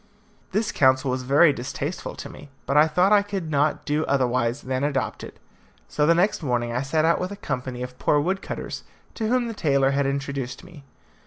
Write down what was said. This counsel was very distasteful to me, but I thought I could not do otherwise than adopt it. So the next morning I set out with a company of poor wood cutters, to whom the tailor had introduced me.